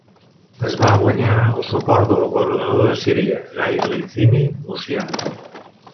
Es va guanyar el suport del governador de Síria, Gai Licini Mucià.